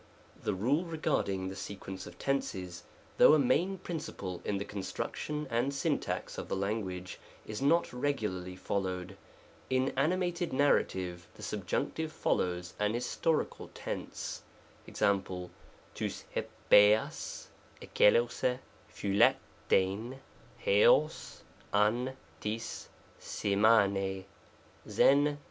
The rule regarding the sequence of tenses, though a main principle in the construction and syn tax of the language, is not regularly followed. In ani mated narrative the subjunctive follows an historical tense, ^cc., rovg inTvsag ixaXtvot cpvXccTTtcVy ecog av Tig orj/iiavri. Xen.